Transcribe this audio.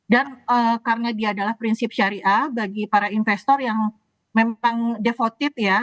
dan karena dia adalah prinsip syariah bagi para investor yang memang devoted ya